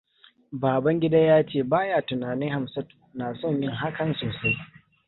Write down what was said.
Babangida ya ce ba ya tunanin Hamsatu na son yin hakan sosai.